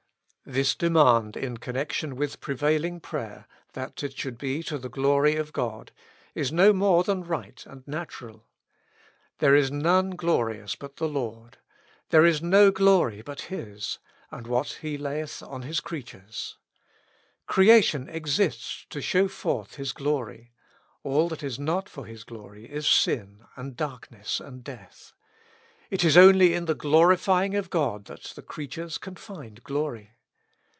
This demand in connection with prevailing prayer — that it should be to the glory of God— is no more than right and natural. There is none glorious but the Lord : there is no glory but His, and what He layeth on His creatures. Creation exists to show forth His glory; all that is not for His glory is sin, and darkness, and death : it is only in the glorifying of God that the creatures can find glory.